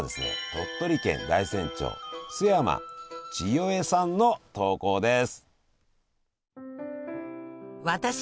鳥取県大山町陶山ちよえさんの投稿です。